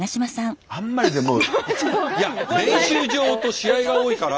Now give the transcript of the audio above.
いや練習場と試合が多いから。